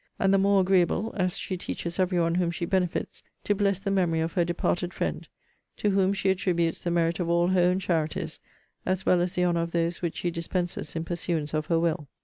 And the more agreeable, as she teaches every one whom she benefits, to bless the memory of her departed friend; to whom she attributes the merit of all her own charities, as well as the honour of those which she dispenses in pursuance of her will.